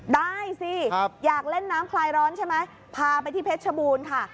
ได้สิอยากเล่นน้ำคลายร้อนใช่ไหมพาไปที่เพชรชบูรณ์ค่ะ